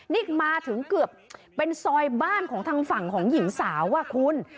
นี่มาถึงเกือบเป็นซอยบ้านของทางฝั่งของหญิงสาวอ่ะคุณ